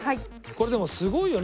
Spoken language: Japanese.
これでもすごいよね。